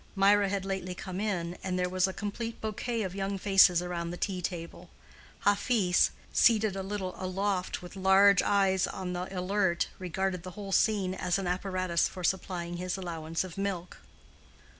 Mirah had lately come in, and there was a complete bouquet of young faces around the tea table—Hafiz, seated a little aloft with large eyes on the alert, regarding the whole scene as an apparatus for supplying his allowance of milk.